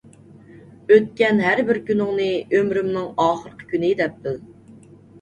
ئۆتكەن ھەر بىر كۈنۈڭنى ئۆمرۈمنىڭ ئاخىرقى كۈنى دەپ بىل.